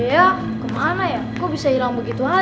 ya kemana ya kok bisa hilang begitu aja